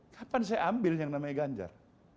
kapan saya ambil yang namanya ganjar